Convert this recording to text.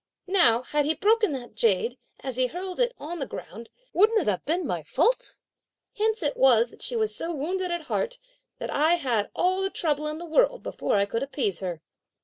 Now had he broken that jade, as he hurled it on the ground, wouldn't it have been my fault? Hence it was that she was so wounded at heart, that I had all the trouble in the world, before I could appease her."